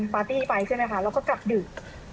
ปาร์ตี้ไปใช่ไหมคะแล้วก็กลับดึก